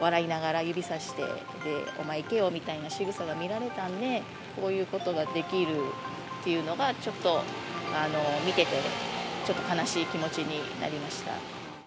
笑いながら指さして、お前いけよみたいなしぐさが見られたんで、こういうことができるっていうのが、ちょっと見てて、ちょっと悲しい気持ちになりました。